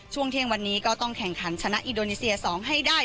ช่วงเที่ยงวันนี้ก็ต้องแข่งขันชนะอินโดนีเซีย๒ให้ได้